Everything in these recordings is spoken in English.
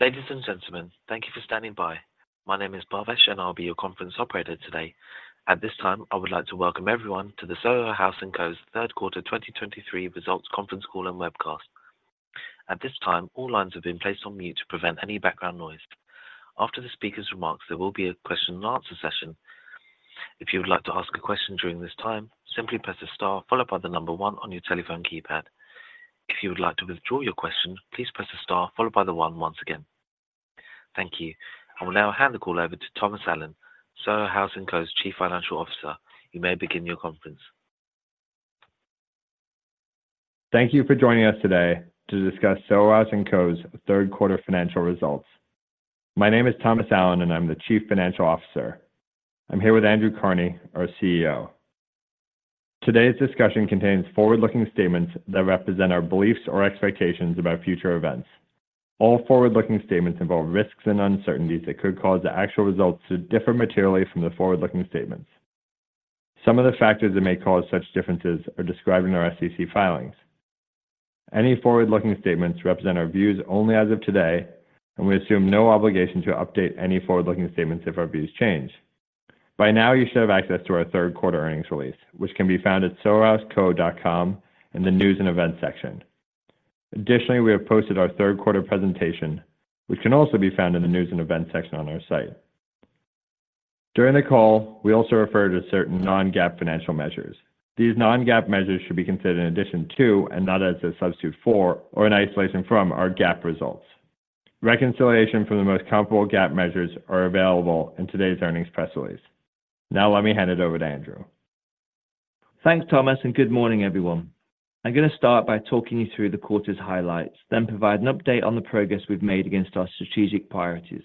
Ladies and gentlemen, thank you for standing by. My name is Bhavesh, and I'll be your conference operator today. At this time, I would like to welcome everyone to the Soho House & Co's Third Quarter 2023 Results Conference Call and webcast. At this time, all lines have been placed on mute to prevent any background noise. After the speaker's remarks, there will be a question and answer session. If you would like to ask a question during this time, simply press the star followed by the number one on your telephone keypad. If you would like to withdraw your question, please press the star followed by the one once again. Thank you. I will now hand the call over to Thomas Allen, Soho House & Co's Chief Financial Officer. You may begin your conference. Thank you for joining us today to discuss Soho House & Co.'s third quarter financial results. My name is Thomas Allen, and I'm the Chief Financial Officer. I'm here with Andrew Carnie, our CEO. Today's discussion contains forward-looking statements that represent our beliefs or expectations about future events. All forward-looking statements involve risks and uncertainties that could cause the actual results to differ materially from the forward-looking statements. Some of the factors that may cause such differences are described in our SEC filings. Any forward-looking statements represent our views only as of today, and we assume no obligation to update any forward-looking statements if our views change. By now, you should have access to our third quarter earnings release, which can be found at sohohouseco.com in the News and Events section. Additionally, we have posted our third quarter presentation, which can also be found in the News and Events section on our site. During the call, we also refer to certain non-GAAP financial measures. These non-GAAP measures should be considered in addition to, and not as a substitute for, or an isolation from, our GAAP results. Reconciliation from the most comparable GAAP measures are available in today's earnings press release. Now, let me hand it over to Andrew. Thanks, Thomas, and good morning, everyone. I'm going to start by talking you through the quarter's highlights, then provide an update on the progress we've made against our strategic priorities.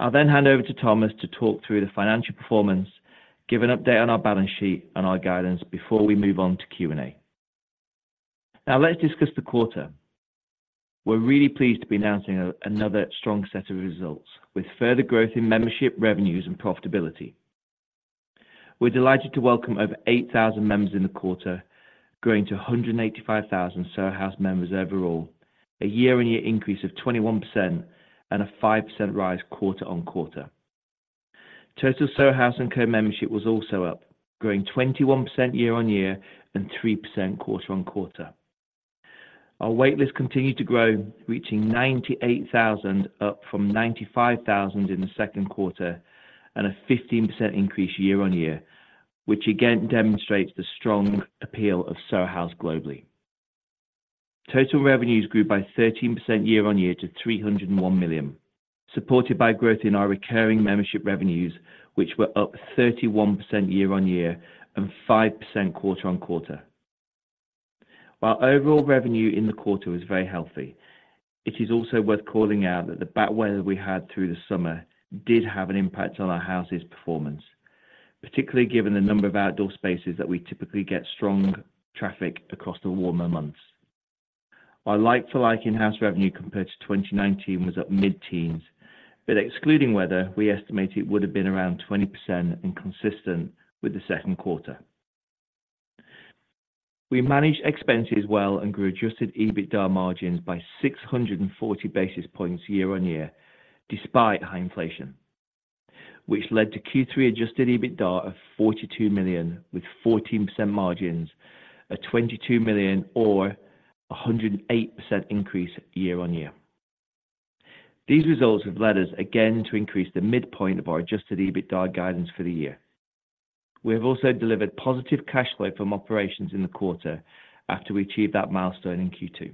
I'll then hand over to Thomas to talk through the financial performance, give an update on our balance sheet and our guidance before we move on to Q&A. Now, let's discuss the quarter. We're really pleased to be announcing another strong set of results, with further growth in membership, revenues, and profitability. We're delighted to welcome over 8,000 members in the quarter, growing to 185,000 Soho House members overall, a year-on-year increase of 21% and a 5% rise quarter-on-quarter. Total Soho House & Co membership was also up, growing 21% year-on-year and 3% quarter-on-quarter. Our wait list continued to grow, reaching 98,000, up from 95,000 in the second quarter and a 15% increase year-on-year, which again demonstrates the strong appeal of Soho House globally. Total revenues grew by 13% year-on-year to $301 million, supported by growth in our recurring membership revenues, which were up 31% year-on-year and 5% quarter-on-quarter. While overall revenue in the quarter was very healthy, it is also worth calling out that the bad weather we had through the summer did have an impact on our house's performance, particularly given the number of outdoor spaces that we typically get strong traffic across the warmer months. Our like-for-like in-house revenue compared to 2019 was up mid-teens, but excluding weather, we estimate it would have been around 20% inconsistent with the second quarter. We managed expenses well and grew adjusted EBITDA margins by 640 basis points year-on-year, despite high inflation, which led to Q3 adjusted EBITDA of $42 million, with 14% margins, a $22 million or 108% increase year-on-year. These results have led us again to increase the midpoint of our adjusted EBITDA guidance for the year. We have also delivered positive cash flow from operations in the quarter after we achieved that milestone in Q2.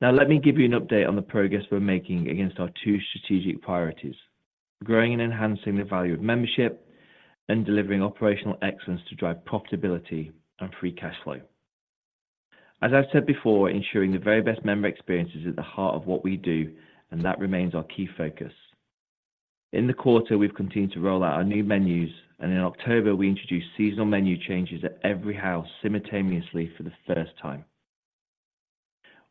Now, let me give you an update on the progress we're making against our two strategic priorities: growing and enhancing the value of membership and delivering operational excellence to drive profitability and free cash flow. As I've said before, ensuring the very best member experience is at the heart of what we do, and that remains our key focus. In the quarter, we've continued to roll out our new menus, and in October, we introduced seasonal menu changes at every house simultaneously for the first time.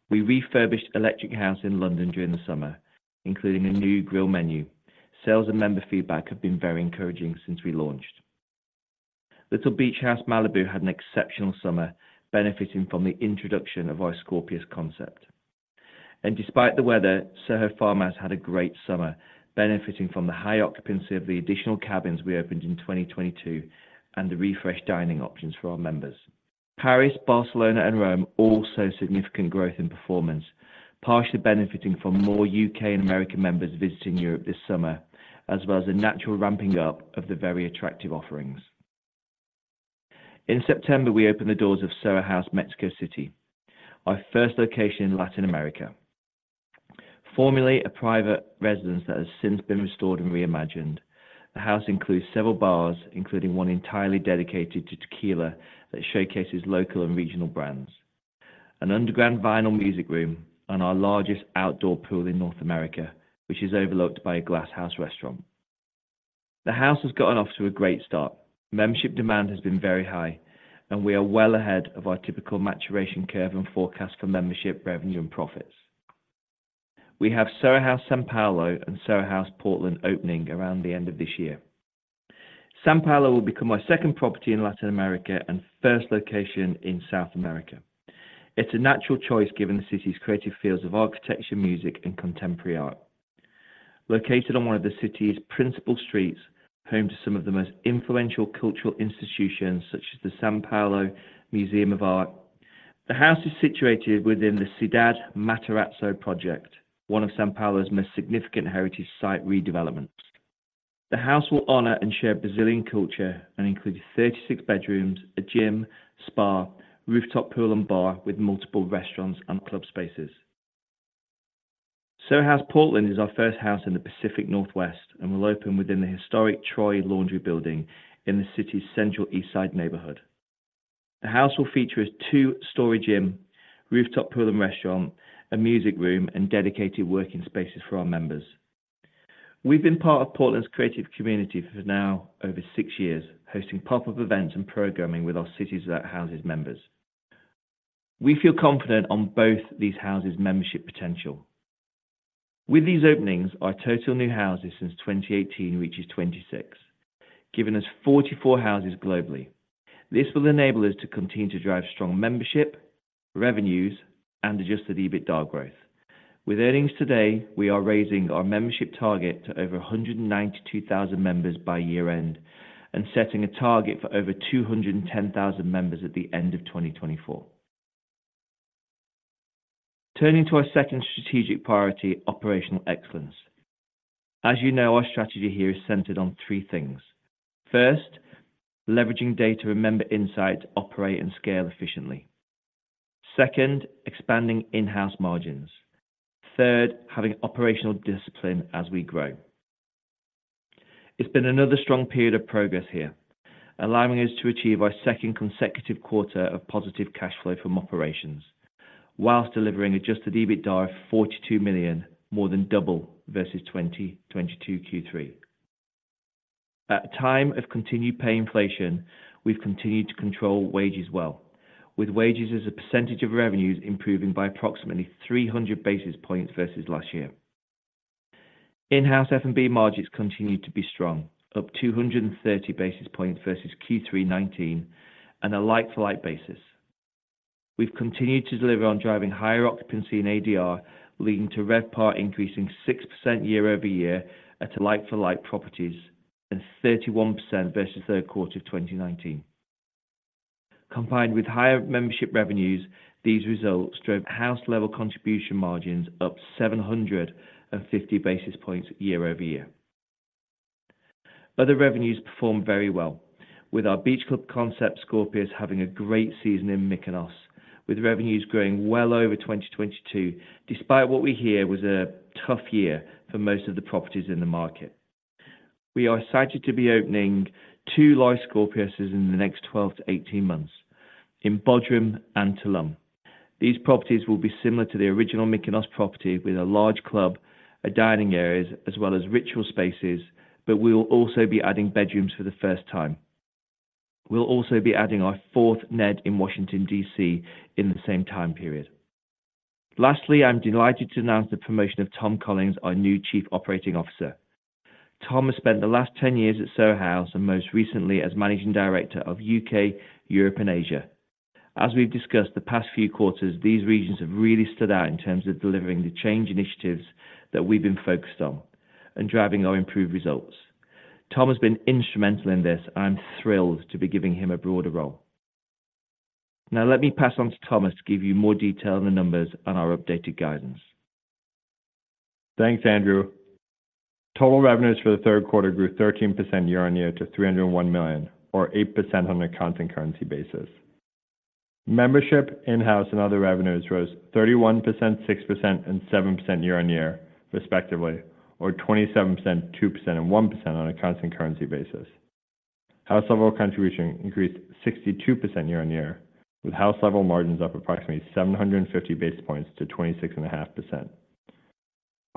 We refurbished Electric House in London during the summer, including a new grill menu. Sales and member feedback have been very encouraging since we launched. Little Beach House Malibu had an exceptional summer, benefiting from the introduction of our Scorpios concept. Despite the weather, Soho Farmhouse had a great summer, benefiting from the high occupancy of the additional cabins we opened in 2022 and the refreshed dining options for our members. Paris, Barcelona, and Rome all saw significant growth in performance, partially benefiting from more UK and American members visiting Europe this summer, as well as a natural ramping up of the very attractive offerings. In September, we opened the doors of Soho House Mexico City, our first location in Latin America. Formerly a private residence that has since been restored and reimagined, the house includes several bars, including one entirely dedicated to tequila that showcases local and regional brands, an underground vinyl music room, and our largest outdoor pool in North America, which is overlooked by a glasshouse restaurant. The house has gotten off to a great start. Membership demand has been very high, and we are well ahead of our typical maturation curve and forecast for membership, revenue, and profits. We have Soho House São Paulo and Soho House Portland opening around the end of this year. São Paulo will become our second property in Latin America and first location in South America. It's a natural choice, given the city's creative fields of architecture, music, and contemporary art. Located on one of the city's principal streets, home to some of the most influential cultural institutions, such as the São Paulo Museum of Art. The house is situated within the Cidade Matarazzo project, one of São Paulo's most significant heritage site redevelopments. The house will honor and share Brazilian culture and includes 36 bedrooms, a gym, spa, rooftop pool, and bar, with multiple restaurants and club spaces. Soho House Portland is our first house in the Pacific Northwest and will open within the historic Troy Laundry Building in the city's central East Side neighborhood. The house will feature a two-story gym, rooftop pool and restaurant, a music room, and dedicated working spaces for our members. We've been part of Portland's creative community for now over six years, hosting pop-up events and programming with our cities that houses members. We feel confident on both these houses' membership potential. With these openings, our total new houses since 2018 reaches 26, giving us 44 houses globally. This will enable us to continue to drive strong membership, revenues, and adjusted EBITDA growth. With earnings today, we are raising our membership target to over 192,000 members by year-end and setting a target for over 210,000 members at the end of 2024. Turning to our second strategic priority, operational excellence. As you know, our strategy here is centered on three things: First, leveraging data and member insight to operate and scale efficiently. Second, expanding in-house margins. Third, having operational discipline as we grow. It's been another strong period of progress here, allowing us to achieve our second consecutive quarter of positive cash flow from operations, whilst delivering adjusted EBITDA of $42 million, more than double versus 2022 Q3. At a time of continued pay inflation, we've continued to control wages well, with wages as a percentage of revenues improving by approximately 300 basis points versus last year. In-house F&B margins continued to be strong, up 230 basis points versus Q3 2019 on a like-for-like basis. We've continued to deliver on driving higher occupancy in ADR, leading to RevPAR increasing 6% year-over-year at like-for-like properties, and 31% versus third quarter of 2019. Combined with higher membership revenues, these results drove house level contribution margins up 750 basis points year-over-year. Other revenues performed very well, with our Beach Club concept, Scorpios, having a great season in Mykonos, with revenues growing well over 2022, despite what we hear was a tough year for most of the properties in the market. We are excited to be opening two live Scorpios in the next 12-18 months in Bodrum and Tulum. These properties will be similar to the original Mykonos property, with a large club, dining areas, as well as ritual spaces, but we will also be adding bedrooms for the first time. We'll also be adding our fourth Ned in Washington, D.C., in the same time period. Lastly, I'm delighted to announce the promotion of Tom Collins, our new Chief Operating Officer. Tom has spent the last 10 years at Soho House, and most recently as Managing Director of U.K., Europe, and Asia. As we've discussed the past few quarters, these regions have really stood out in terms of delivering the change initiatives that we've been focused on and driving our improved results. Tom has been instrumental in this. I'm thrilled to be giving him a broader role. Now, let me pass on to Thomas to give you more detail on the numbers and our updated guidance. Thanks, Andrew. Total revenues for the third quarter grew 13% year-on-year to $301 million, or 8% on a constant currency basis. Membership, in-house, and other revenues rose 31%, 6%, and 7% year-on-year, respectively, or 27%, 2%, and 1% on a constant currency basis. House-level contribution increased 62% year-on-year, with house-level margins up approximately 750 basis points to 26.5%.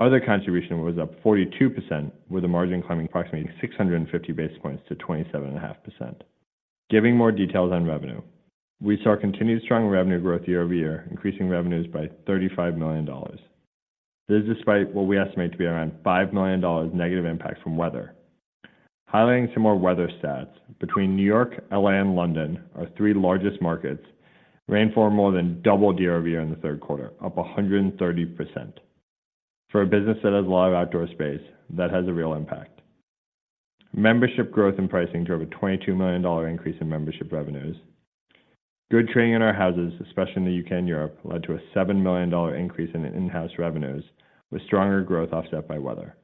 Other contribution was up 42%, with a margin climbing approximately 650 basis points to 27.5%. Giving more details on revenue, we saw continued strong revenue growth year-over-year, increasing revenues by $35 million. This, despite what we estimate to be around $5 million negative impact from weather. Highlighting some more weather stats, between New York, L.A., and London, our three largest markets, rainfall more than doubled year-over-year in the third quarter, up 130%. For a business that has a lot of outdoor space, that has a real impact. Membership growth and pricing drove a $22 million increase in membership revenues. Good trading in our houses, especially in the U.K. and Europe, led to a $7 million increase in-house revenues, with stronger growth offset by weather.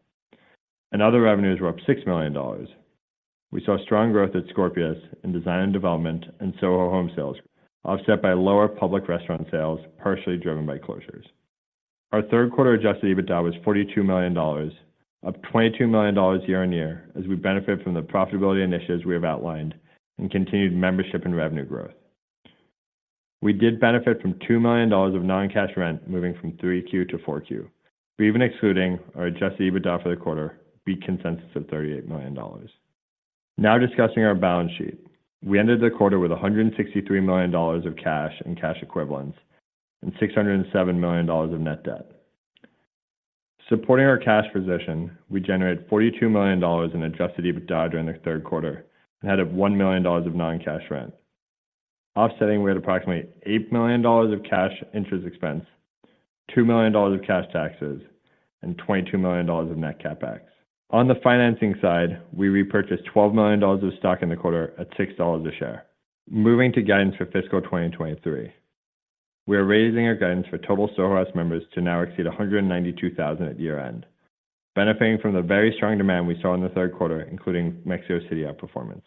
Other revenues were up $6 million. We saw strong growth at Scorpios in design and development, and so our home sales offset by lower public restaurant sales, partially driven by closures. Our third-quarter Adjusted EBITDA was $42 million, up $22 million year-on-year, as we benefit from the profitability initiatives we have outlined and continued membership and revenue growth. We did benefit from $2 million of non-cash rent moving from 3Q to 4Q. We, even excluding our Adjusted EBITDA for the quarter, beat consensus of $38 million. Now discussing our balance sheet. We ended the quarter with $163 million of cash and cash equivalents and $607 million of net debt.... Supporting our cash position, we generated $42 million in Adjusted EBITDA during the third quarter, and had of $1 million of non-cash rent. Offsetting, we had approximately $8 million of cash interest expense, $2 million of cash taxes, and $22 million of net CapEx. On the financing side, we repurchased $12 million of stock in the quarter at $6 a share. Moving to guidance for fiscal 2023, we are raising our guidance for total Soho House members to now exceed 192,000 at year-end, benefiting from the very strong demand we saw in the third quarter, including Mexico City outperformance.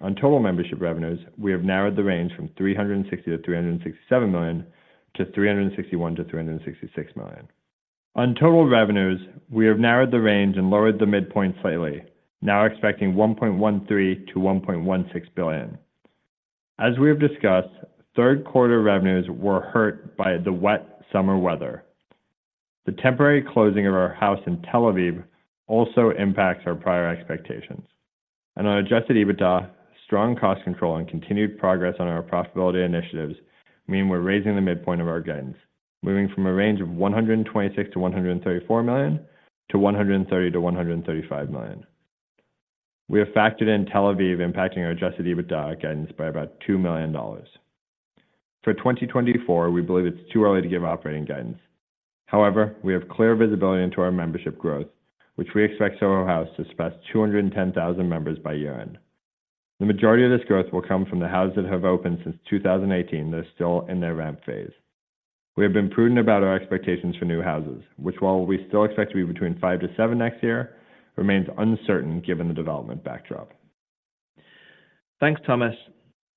On total membership revenues, we have narrowed the range from $360 million-$367 million, to $361 million-$366 million. On total revenues, we have narrowed the range and lowered the midpoint slightly, now expecting $1.13 billion-$1.16 billion. As we have discussed, third quarter revenues were hurt by the wet summer weather. The temporary closing of our house in Tel Aviv also impacts our prior expectations. On adjusted EBITDA, strong cost control and continued progress on our profitability initiatives mean we're raising the midpoint of our guidance, moving from a range of $126 million-$134 million, to $130 million-$135 million. We have factored in Tel Aviv impacting our adjusted EBITDA guidance by about $2 million. For 2024, we believe it's too early to give operating guidance. However, we have clear visibility into our membership growth, which we expect Soho House to surpass 210,000 members by year-end. The majority of this growth will come from the houses that have opened since 2018, that are still in their ramp phase. We have been prudent about our expectations for new houses, which while we still expect to be between 5-7 next year, remains uncertain given the development backdrop. Thanks, Thomas.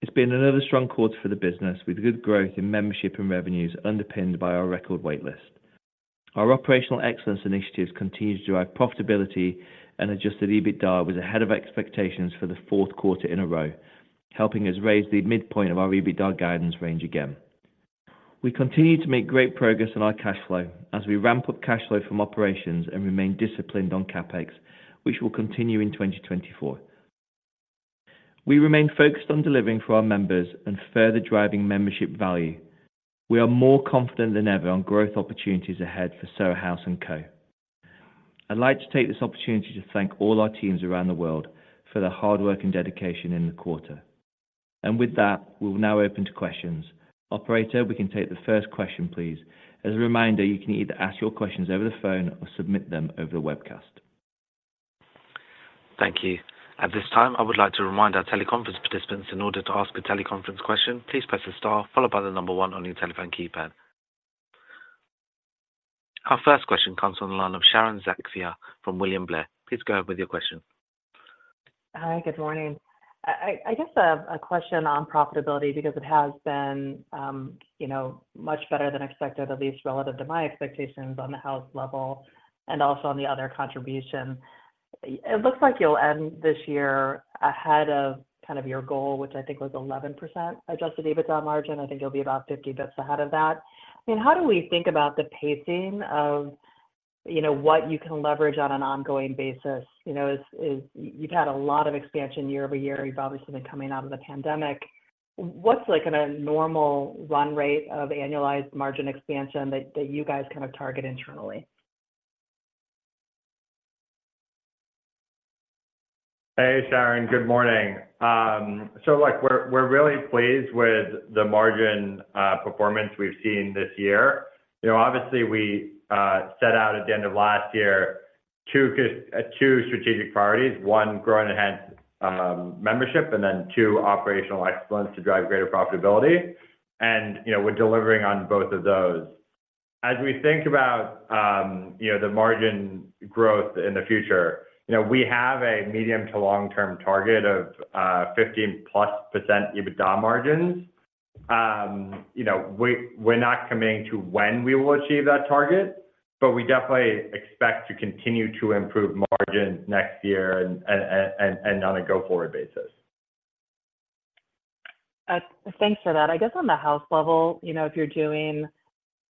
It's been another strong quarter for the business, with good growth in membership and revenues underpinned by our record waitlist. Our operational excellence initiatives continue to drive profitability and Adjusted EBITDA was ahead of expectations for the fourth quarter in a row, helping us raise the midpoint of our EBITDA guidance range again. We continue to make great progress on our cash flow, as we ramp up cash flow from operations and remain disciplined on CapEx, which will continue in 2024. We remain focused on delivering for our members and further driving membership value. We are more confident than ever on growth opportunities ahead for Soho House & Co. I'd like to take this opportunity to thank all our teams around the world for their hard work and dedication in the quarter. With that, we will now open to questions. Operator, we can take the first question, please. As a reminder, you can either ask your questions over the phone or submit them over the webcast. Thank you. At this time, I would like to remind our teleconference participants, in order to ask a teleconference question, please press the star followed by the number one on your telephone keypad. Our first question comes on the line of Sharon Zackfia from William Blair. Please go ahead with your question. Hi, good morning. I guess I have a question on profitability because it has been, you know, much better than expected, at least relative to my expectations on the house-level and also on the other contribution. It looks like you'll end this year ahead of kind of your goal, which I think was 11% Adjusted EBITDA margin. I think you'll be about 50 basis points ahead of that. I mean, how do we think about the pacing of, you know, what you can leverage on an ongoing basis? You know, is you've had a lot of expansion year-over-year. You've obviously been coming out of the pandemic. What's like in a normal run rate of annualized margin expansion that you guys kind of target internally? Hey, Sharon, good morning. So, like, we're really pleased with the margin performance we've seen this year. You know, obviously, we set out at the end of last year two strategic priorities. One, grow and enhance membership, and then two, operational excellence to drive greater profitability. You know, we're delivering on both of those. As we think about, you know, the margin growth in the future, you know, we have a medium to long-term target of 15%+ EBITDA margins. You know, we're not committing to when we will achieve that target, but we definitely expect to continue to improve margins next year and on a go-forward basis. Thanks for that. I guess on the House-level, you know, if you're doing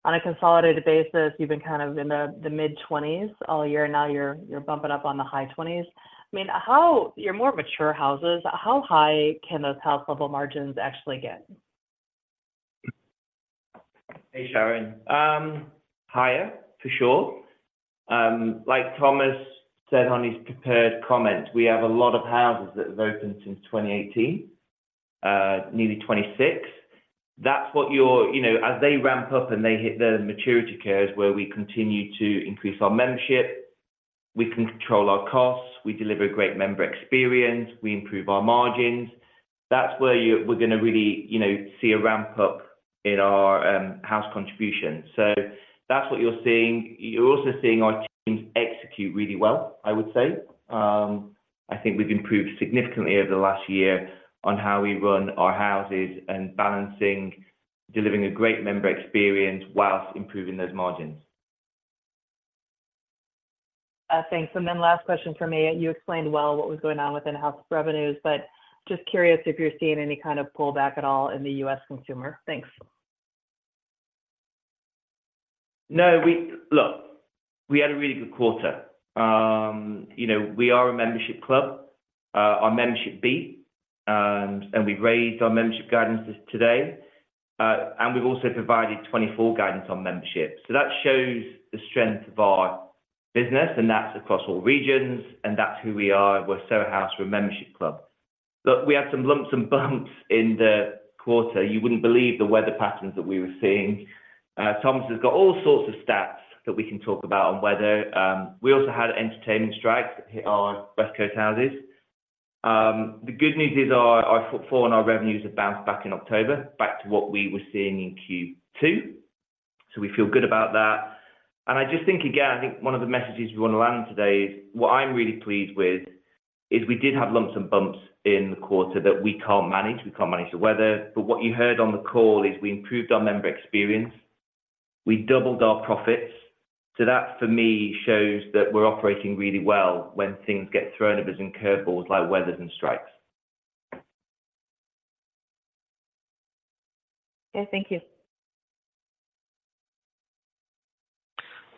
on a consolidated basis, you've been kind of in the mid-20s all year, now you're bumping up on the high 20s. I mean, how... your more mature houses, how high can those House-level margins actually get? Hey, Sharon. Higher, for sure. Like Thomas said on his prepared comment, we have a lot of houses that have opened since 2018, nearly 26. That's what your-- you know, as they ramp up and they hit their maturity curves, where we continue to increase our membership, we can control our costs, we deliver a great member experience, we improve our margins. That's where you... we're gonna really, you know, see a ramp up in our, house contribution. So that's what you're seeing. You're also seeing our teams execute really well, I would say. I think we've improved significantly over the last year on how we run our houses and balancing, delivering a great member experience whilst improving those margins. Thanks. And then last question for me. You explained well what was going on within House revenues, but just curious if you're seeing any kind of pullback at all in the U.S. consumer. Thanks. No, we, look, we had a really good quarter. You know, we are a membership club. Our membership beat, and we've raised our membership guidance today, and we've also provided 2024 guidance on membership. So that shows the strength of our business, and that's across all regions, and that's who we are. We're Soho House, we're a membership club. Look, we had some lumps and bumps in the quarter. You wouldn't believe the weather patterns that we were seeing. Thomas has got all sorts of stats that we can talk about on weather. We also had entertaining strikes that hit our West Coast houses. The good news is our, our footfall and our revenues have bounced back in October, back to what we were seeing in Q2, so we feel good about that. I just think, again, I think one of the messages we want to land today is, what I'm really pleased with is we did have lumps and bumps in the quarter that we can't manage, we can't manage the weather, but what you heard on the call is we improved our member experience. We doubled our profits. So that, for me, shows that we're operating really well when things get thrown at us in curveballs, like weathers and strikes. Okay, thank you.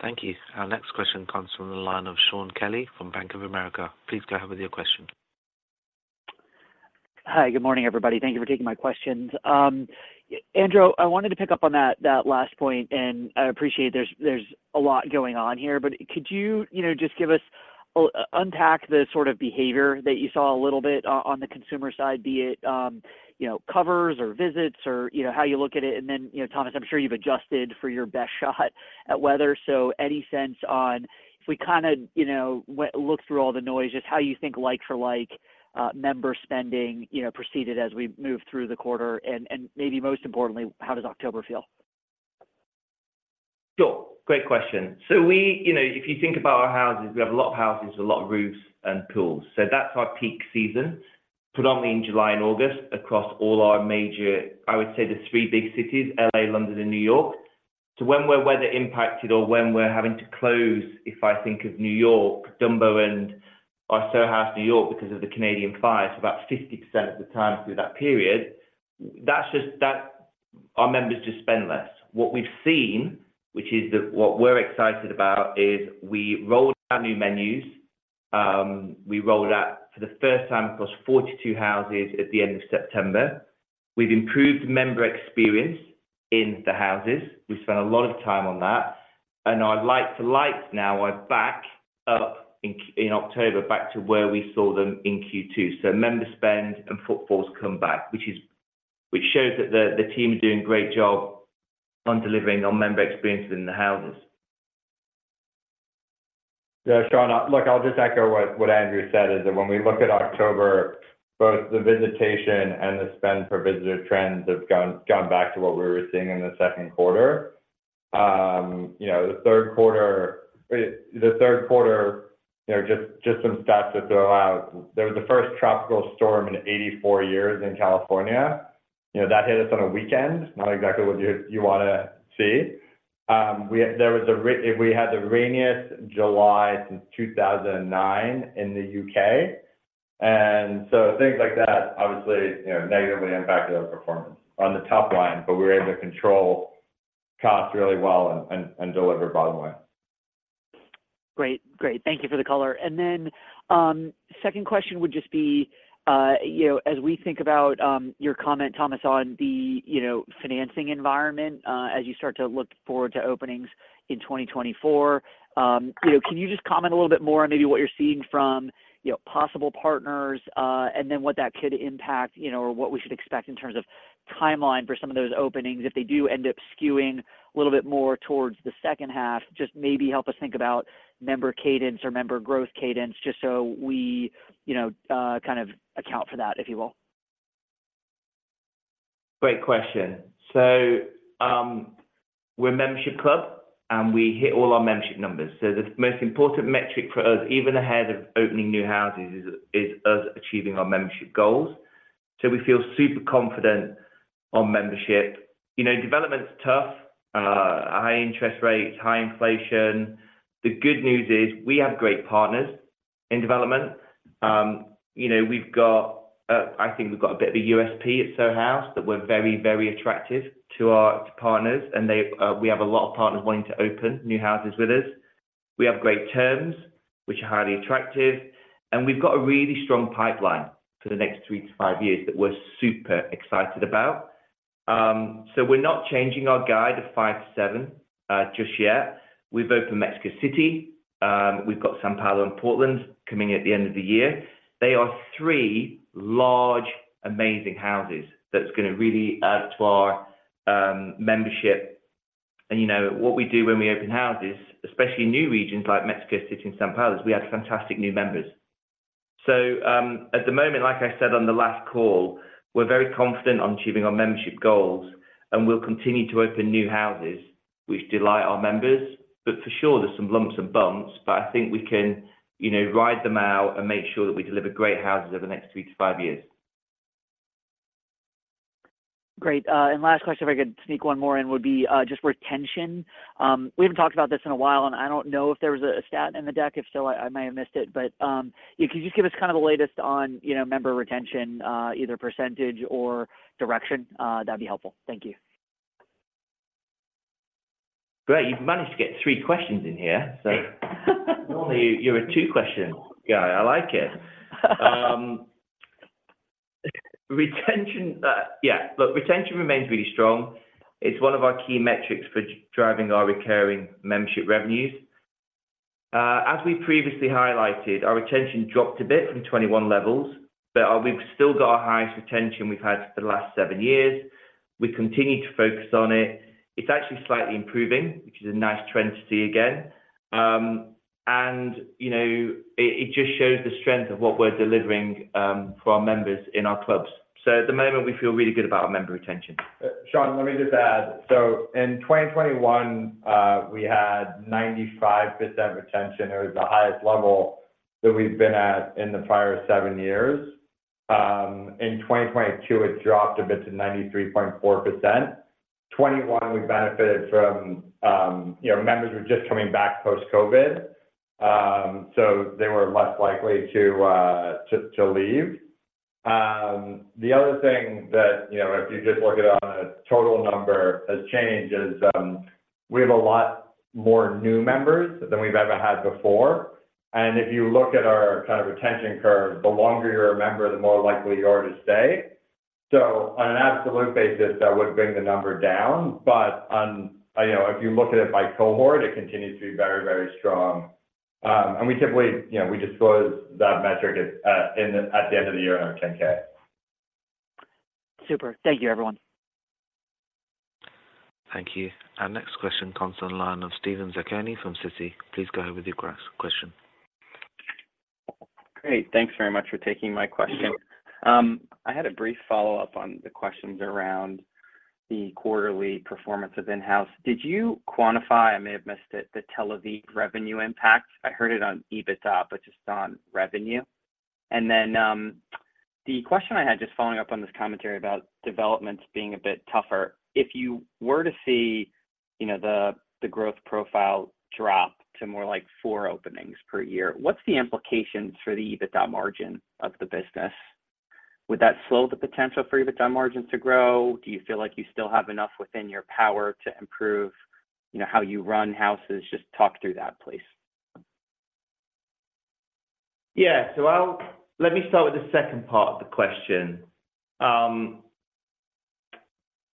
Thank you. Our next question comes from the line of Shaun Kelley from Bank of America. Please go ahead with your question. Hi, good morning, everybody. Thank you for taking my questions. Andrew, I wanted to pick up on that, that last point, and I appreciate there's, there's a lot going on here, but could you, you know, just give us unpack the sort of behavior that you saw a little bit on the consumer side, be it, you know, covers or visits or, you know, how you look at it, and then, you know, Thomas, I'm sure you've adjusted for your best shot at weather. So any sense on if we kinda, you know, look through all the noise, just how you think like-for-like member spending, you know, proceeded as we moved through the quarter, and, and maybe most importantly, how does October feel? Sure. Great question. So we, you know, if you think about our houses, we have a lot of houses with a lot of roofs and pools. So that's our peak season, predominantly in July and August, across all our major, I would say, the three big cities, L.A., London, and New York. So when we're weather impacted or when we're having to close, if I think of New York, Dumbo, and our Soho House New York because of the Canadian fire, so about 50% of the time through that period, that's just that... our members just spend less. What we've seen, which is the—what we're excited about, is we rolled out new menus, we rolled out for the first time across 42 houses at the end of September. We've improved member experience in the houses. We've spent a lot of time on that, and our like-for-likes now are back up in October, back to where we saw them in Q2. So member spend and footfalls come back, which shows that the team is doing a great job on delivering on member experiences in the houses. Yeah, Shaun, look, I'll just echo what Andrew said is that when we look at October, both the visitation and the spend per visitor trends have gone back to what we were seeing in the second quarter. You know, the third quarter, you know, just some stats to throw out. There was the first tropical storm in 84 years in California. You know, that hit us on a weekend. Not exactly what you wanna see. We had the rainiest July since 2009 in the U.K. And so things like that obviously, you know, negatively impacted our performance on the top line, but we were able to control costs really well and deliver bottom line. Great. Great, thank you for the color. And then, second question would just be, you know, as we think about your comment, Thomas, on the, you know, financing environment, as you start to look forward to openings in 2024, you know, can you just comment a little bit more on maybe what you're seeing from, you know, possible partners, and then what that could impact, you know, or what we should expect in terms of timeline for some of those openings, if they do end up skewing a little bit more towards the second half, just maybe help us think about member cadence or member growth cadence, just so we, you know, kind of account for that, if you will? Great question. So, we're a membership club, and we hit all our membership numbers. So the most important metric for us, even ahead of opening new houses is us achieving our membership goals. So we feel super confident on membership. You know, development's tough, high interest rates, high inflation. The good news is we have great partners in development. You know, we've got, I think we've got a bit of a USP at Soho House that we're very, very attractive to our partners, and they've, we have a lot of partners wanting to open new houses with us. We have great terms, which are highly attractive, and we've got a really strong pipeline for the next 3-5 years that we're super excited about. So we're not changing our guide of 5-7, just yet. We've opened Mexico City, we've got São Paulo and Portland coming in at the end of the year. They are three large, amazing houses that's gonna really add to our membership. You know, what we do when we open houses, especially in new regions like Mexico City and São Paulo, is we add fantastic new members. At the moment, like I said on the last call, we're very confident on achieving our membership goals, and we'll continue to open new houses, which delight our members. For sure, there's some lumps and bumps, but I think we can, you know, ride them out and make sure that we deliver great houses over the next three to five years. Great, and last question, if I could sneak one more in, would be just retention. We haven't talked about this in a while, and I don't know if there was a stat in the deck. If so, I may have missed it, but if you could just give us kind of the latest on, you know, member retention, either percentage or direction, that'd be helpful. Thank you. ... Great, you've managed to get three questions in here. So normally, you're a two-question guy. I like it. Retention, yeah, look, retention remains really strong. It's one of our key metrics for driving our recurring membership revenues. As we previously highlighted, our retention dropped a bit from 2021 levels, but we've still got our highest retention we've had for the last seven years. We continue to focus on it. It's actually slightly improving, which is a nice trend to see again. And, you know, it just shows the strength of what we're delivering for our members in our clubs. So at the moment, we feel really good about our member retention. Shaun, let me just add. So in 2021, we had 95% retention. It was the highest level that we've been at in the prior seven years. In 2022, it dropped a bit to 93.4%. 2021, we benefited from, you know, members were just coming back post-COVID, so they were less likely to leave. The other thing that, you know, if you just look at it on a total number, has changed is, we have a lot more new members than we've ever had before. And if you look at our kind of retention curve, the longer you're a member, the more likely you are to stay. So on an absolute basis, that would bring the number down, but on, you know, if you look at it by cohort, it continues to be very, very strong. And we typically, you know, we disclose that metric at the end of the year in our 10-K. Super. Thank you, everyone. Thank you. Our next question comes on the line of Steven Zaccone from Citi. Please go ahead with your question. Great. Thanks very much for taking my question. I had a brief follow-up on the questions around the quarterly performance of Soho House. Did you quantify, I may have missed it, the Tel Aviv revenue impact? I heard it on EBITDA, but just on revenue. And then, the question I had, just following up on this commentary about developments being a bit tougher, if you were to see, you know, the growth profile drop to more like four openings per year, what's the implications for the EBITDA margin of the business? Would that slow the potential for EBITDA margins to grow? Do you feel like you still have enough within your power to improve, you know, how you run houses? Just talk through that, please. Yeah. So let me start with the second part of the question.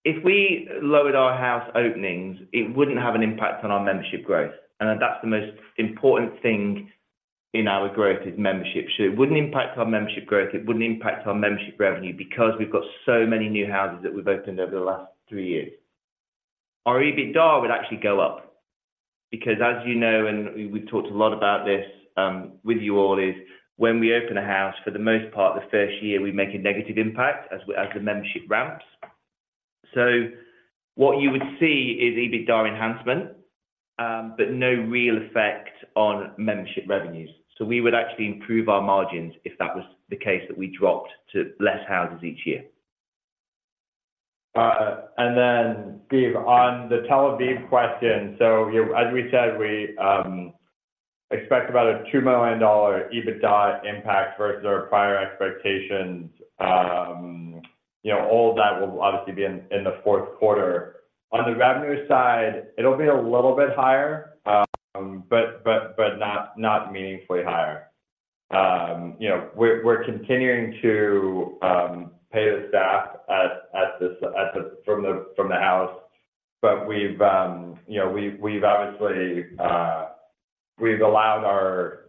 If we lowered our house openings, it wouldn't have an impact on our membership growth, and that's the most important thing in our growth, is membership. So it wouldn't impact our membership growth, it wouldn't impact our membership revenue, because we've got so many new houses that we've opened over the last three years. Our EBITDA would actually go up because, as you know, and we've talked a lot about this, with you all, is when we open a house, for the most part, the first year, we make a negative impact as the membership ramps. So what you would see is EBITDA enhancement, but no real effect on membership revenues. So we would actually improve our margins if that was the case, that we dropped to less houses each year. And then, Steven, on the Tel Aviv question, so, as we said, we expect about a $2 million EBITDA impact versus our prior expectations. You know, all that will obviously be in the fourth quarter. On the revenue side, it'll be a little bit higher, but not meaningfully higher. You know, we're continuing to pay the staff at the house, but we've obviously allowed our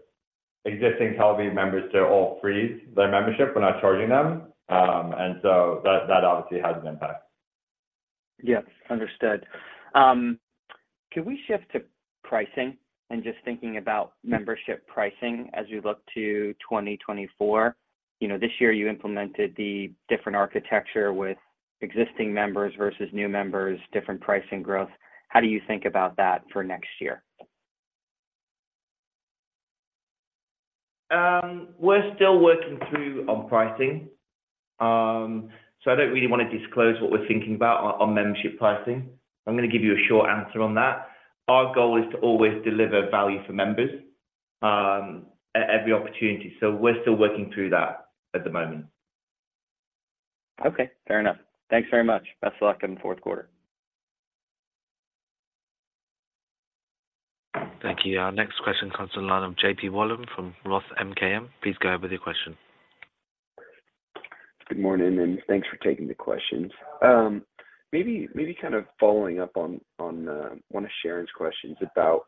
existing Tel Aviv members to all freeze their membership. We're not charging them, and so that obviously has an impact. Yes, understood. Can we shift to pricing and just thinking about membership pricing as you look to 2024? You know, this year you implemented the different architecture with existing members versus new members, different pricing growth. How do you think about that for next year? We're still working through on pricing. So I don't really want to disclose what we're thinking about on membership pricing. I'm gonna give you a short answer on that. Our goal is to always deliver value for members, at every opportunity, so we're still working through that at the moment. Okay. Fair enough. Thanks very much. Best of luck in the fourth quarter. Thank you. Our next question comes on the line of J.P. Wallum from Roth MKM. Please go ahead with your question. Good morning, and thanks for taking the questions. Maybe, maybe kind of following up on, on, one of Sharon's questions about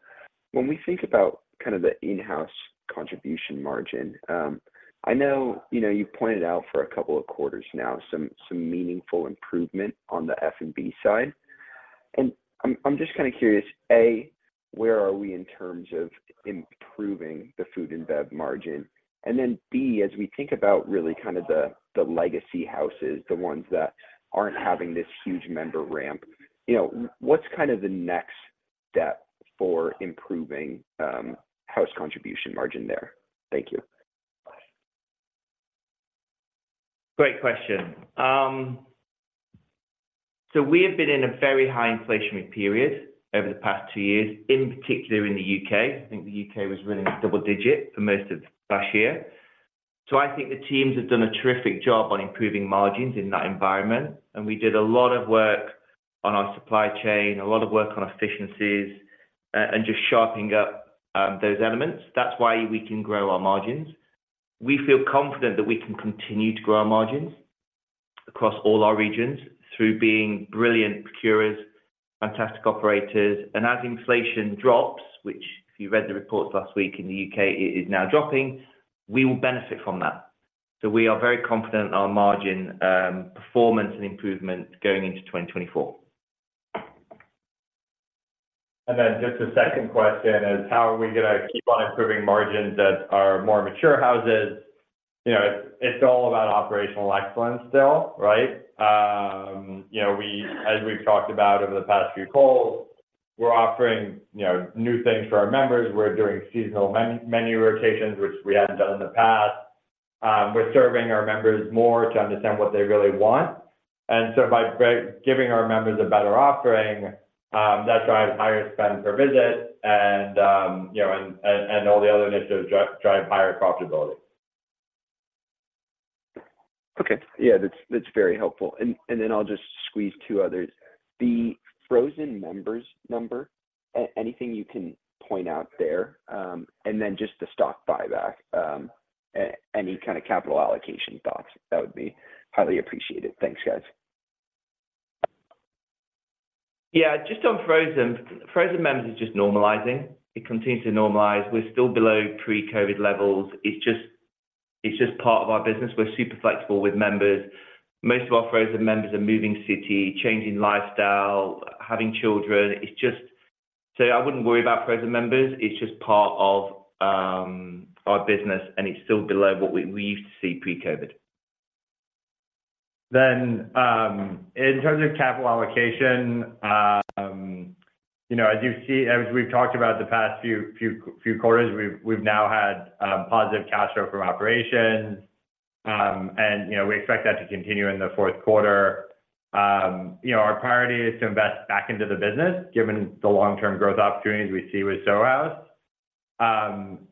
when we think about kind of the in-house contribution margin, I know, you know, you've pointed out for a couple of quarters now, some, some meaningful improvement on the F&B side. And I'm, I'm just kind of curious, A, where are we in terms of improving the food and bev margin? And then, B, as we think about really kind of the, the legacy houses, the ones that aren't having this huge member ramp, you know, what's kind of the next step for improving, house contribution margin there? Thank you. Great question. So we have been in a very high inflationary period over the past two years, in particular in the U.K. I think the U.K. was running double-digit for most of last year.... So I think the teams have done a terrific job on improving margins in that environment, and we did a lot of work on our supply chain, a lot of work on efficiencies, and just sharpening up those elements. That's why we can grow our margins. We feel confident that we can continue to grow our margins across all our regions through being brilliant procurers, fantastic operators. And as inflation drops, which if you read the reports last week in the U.K., it is now dropping, we will benefit from that. So we are very confident in our margin performance and improvement going into 2024. And then just a second question is, how are we gonna keep on improving margins that are more mature houses? You know, it's all about operational excellence still, right? You know, we, as we've talked about over the past few calls, we're offering, you know, new things for our members. We're doing seasonal menu rotations, which we hadn't done in the past. We're serving our members more to understand what they really want. And so by giving our members a better offering, that drives higher spend per visit and, you know, and all the other initiatives drive higher profitability. Okay. Yeah, that's, that's very helpful. And, and then I'll just squeeze two others. The frozen members number, anything you can point out there, and then just the stock buyback, any kind of capital allocation thoughts, that would be highly appreciated. Thanks, guys. Yeah, just on frozen. Frozen members is just normalizing. It continues to normalize. We're still below pre-COVID levels. It's just, it's just part of our business. We're super flexible with members. Most of our frozen members are moving city, changing lifestyle, having children. It's just... So I wouldn't worry about frozen members. It's just part of our business, and it's still below what we used to see pre-COVID. Then, in terms of capital allocation, you know, as you see, as we've talked about the past few quarters, we've now had positive cash flow from operations, and, you know, we expect that to continue in the fourth quarter. You know, our priority is to invest back into the business, given the long-term growth opportunities we see with Soho House.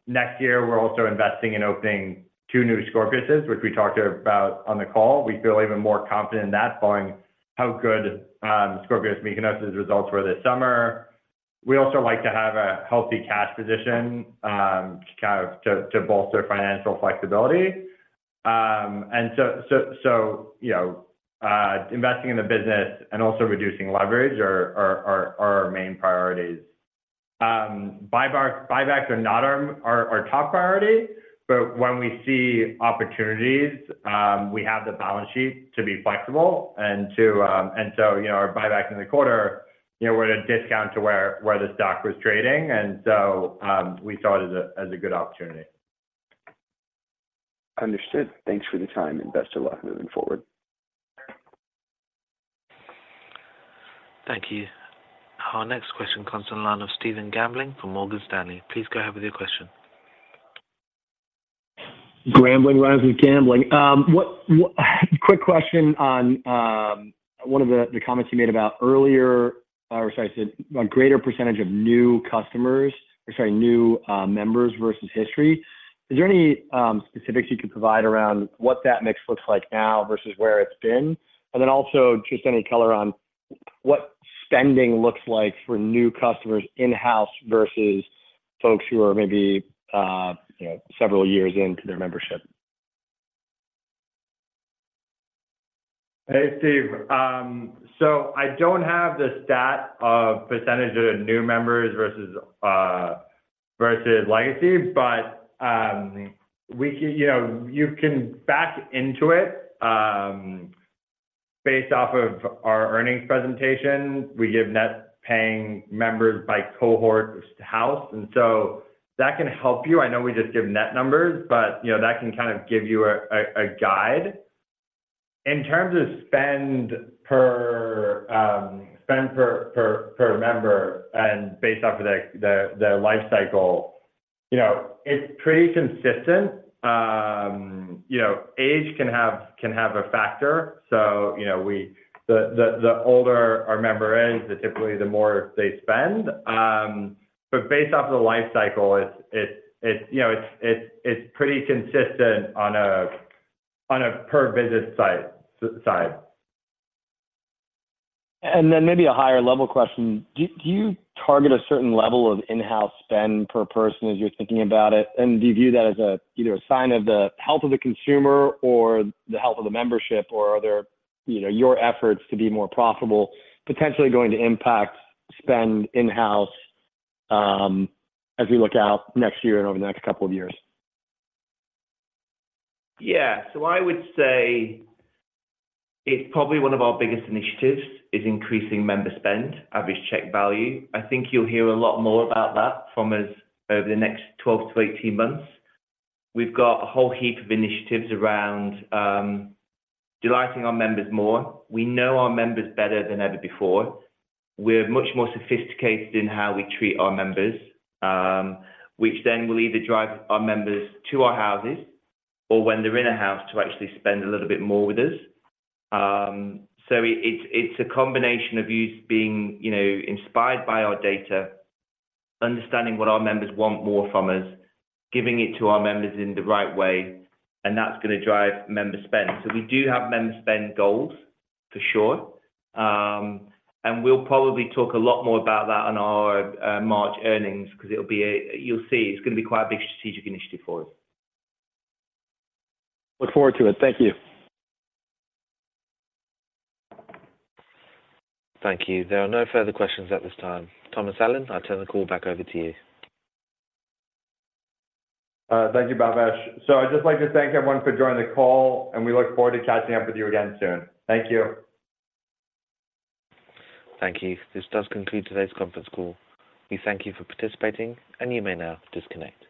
Next year, we're also investing in opening two new Scorpios, which we talked about on the call. We feel even more confident in that, following how good Scorpios Mykonos's results were this summer. We also like to have a healthy cash position, to kind of bolster financial flexibility. And so, you know, investing in the business and also reducing leverage are our main priorities. Buyback, buybacks are not our top priority, but when we see opportunities, we have the balance sheet to be flexible and to... And so, you know, our buyback in the quarter, you know, we're at a discount to where the stock was trading, and so, we saw it as a good opportunity. Understood. Thanks for the time, and best of luck moving forward. Thank you. Our next question comes on the line of Stephen Grambling from Morgan Stanley. Please go ahead with your question. Grambling, rhymes with grambling. What, quick question on one of the comments you made about earlier, or should I say, a greater percentage of new customers, or sorry, new members versus history. Is there any specifics you could provide around what that mix looks like now versus where it's been? And then also, just any color on what spending looks like for new customers in-house versus folks who are maybe, you know, several years into their membership. Hey, Steve. So I don't have the stat of percentage of new members versus legacy, but we can, you know, you can back into it based off of our earnings presentation, we give net paying members by cohort house, and so that can help you. I know we just give net numbers, but you know, that can kind of give you a guide. In terms of spend per member and based off of the life cycle, you know, it's pretty consistent. You know, age can have a factor. So you know, the older our member is, typically the more they spend. But based off of the life cycle, it's pretty consistent on a per visit site side. And then maybe a higher level question. Do you target a certain level of in-house spend per person as you're thinking about it? And do you view that as either a sign of the health of the consumer or the health of the membership, or are there, you know, your efforts to be more profitable, potentially going to impact spend in-house as we look out next year and over the next couple of years? Yeah. So I would say it's probably one of our biggest initiatives, is increasing member spend, average check value. I think you'll hear a lot more about that from us over the next 12-18 months. We've got a whole heap of initiatives around delighting our members more. We know our members better than ever before. We're much more sophisticated in how we treat our members, which then will either drive our members to our houses or when they're in a house, to actually spend a little bit more with us. So it's a combination of us being, you know, inspired by our data, understanding what our members want more from us, giving it to our members in the right way, and that's gonna drive member spend. So we do have member spend goals, for sure. We'll probably talk a lot more about that on our March earnings, because it'll be a... You'll see. It's gonna be quite a big strategic initiative for us. Look forward to it. Thank you. Thank you. There are no further questions at this time. Thomas Allen, I turn the call back over to you. Thank you, Bhavesh. I'd just like to thank everyone for joining the call, and we look forward to catching up with you again soon. Thank you. Thank you. This does conclude today's conference call. We thank you for participating, and you may now disconnect.